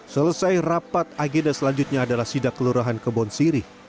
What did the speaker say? selesai rapat agenda selanjutnya adalah sidak kelurahan ke bonsiri